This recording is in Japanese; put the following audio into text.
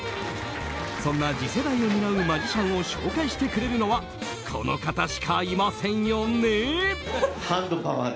そんな次世代を担うマジシャンを紹介してくれるのはこの方しかいませんよね。